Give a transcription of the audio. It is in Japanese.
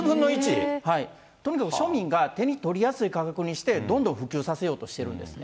とにかく庶民が手に取りやすい価格にして、どんどん普及させようとしてるんですね。